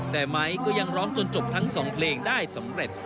แต่ไม้ก็ยังร้องจนจบทั้งสองเพลงได้สำเร็จ